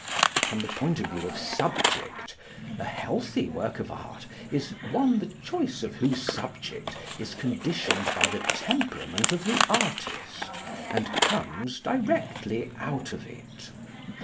From the point of view of subject, a healthy work of art is one the choice of whose subject is conditioned by the temperament of the artist, and comes directly out of it.